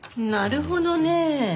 なるほどねえ。